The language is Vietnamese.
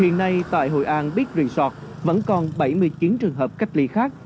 hiện nay tại hội an biết resort vẫn còn bảy mươi chín trường hợp cách ly khác